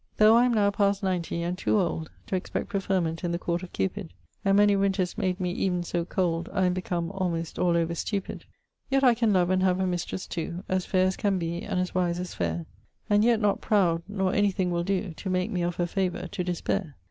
Tho' I am now past ninety, and too old T' expect preferment in the court of Cupid, And many winters made mee ev'n so cold I am become almost all over stupid, 2. Yet I can love and have a mistresse too, As fair as can be and as wise as fair; And yet not, proud, nor anything will doe To make me of her favour to despair.